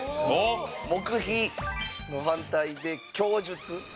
黙秘の反対で供述。